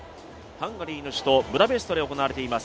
ハンガリーの首都ブダペストで行われています